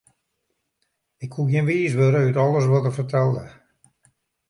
Ik koe gjin wiis wurde út alles wat er fertelde.